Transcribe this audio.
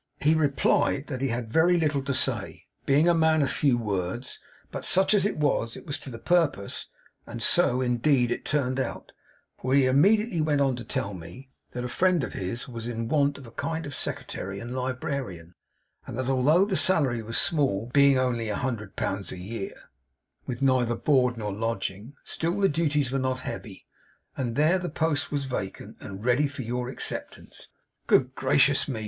He replied that he had very little to say, being a man of few words, but such as it was, it was to the purpose and so, indeed, it turned out for he immediately went on to tell me that a friend of his was in want of a kind of secretary and librarian; and that although the salary was small, being only a hundred pounds a year, with neither board nor lodging, still the duties were not heavy, and there the post was. Vacant, and ready for your acceptance.' 'Good gracious me!